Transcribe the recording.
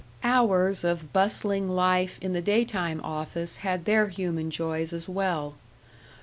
Hours of bustling life in the daytime office had their human joys as well.